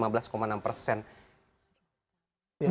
mbak ikrama mungkin bisa menjelaskan